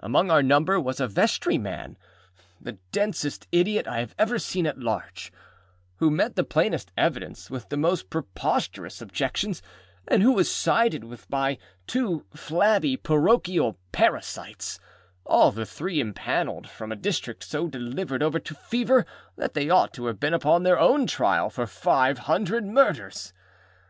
Among our number was a vestryman, âthe densest idiot I have ever seen at large, âwho met the plainest evidence with the most preposterous objections, and who was sided with by two flabby parochial parasites; all the three impanelled from a district so delivered over to Fever that they ought to have been upon their own trial for five hundred Murders.